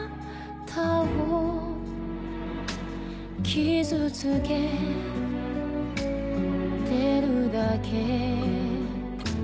「傷つけてるだけ」